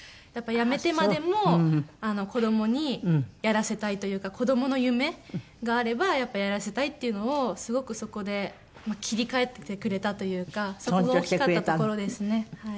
やっぱりやめてまでも子供にやらせたいというか子供の夢があればやっぱりやらせたいっていうのをすごくそこで切り替えてくれたというかそこが大きかったところですね。